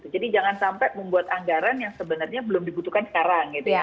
jadi jangan sampai membuat anggaran yang sebenarnya belum dibutuhkan sekarang